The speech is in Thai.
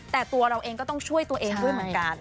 แต่ตัวเราเองก็ต้องช่วยตัวเองด้วยเหมือนกัน